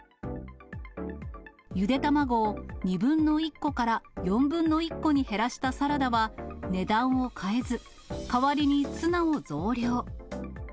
ゆで卵を２分の１個から４分の１個に減らしたサラダは、値段を変えず、代わりにツナを増量。